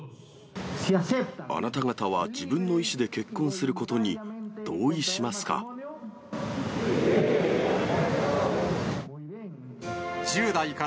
あなた方は自分の意思で結婚することに同意しますか。